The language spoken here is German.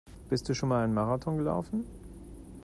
Bist du schon mal einen Marathon gelaufen?